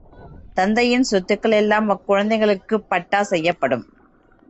தந்தையின் சொத்துக்களெல்லாம் அக் குழந்தைகளுக்குப் பட்டா செய்யப்படும்.